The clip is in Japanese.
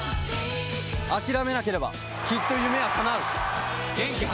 諦めなければきっと夢は叶う！